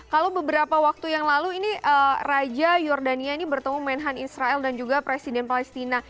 kalau beberapa waktu yang lalu ini raja jordania ini bertemu menhan israel dan juga presiden palestina